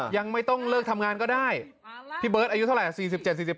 ยังไม่ต้องเลิกทำงานก็ได้พี่เบิร์ตอายุเท่าไหร่